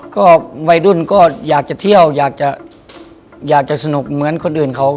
ก็วัยรุ่นก็อยากจะเที่ยวอยากจะอยากจะสนุกเหมือนคนอื่นเขา